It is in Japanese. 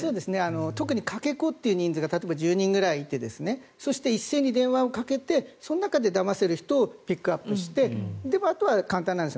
特にかけ子という人数が例えば１０人くらいいてそして一斉に電話をかけてその中でだませる人をピックアップしてで、あとは簡単なんです。